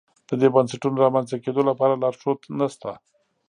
د دې بنسټونو رامنځته کېدو لپاره لارښود نه شته.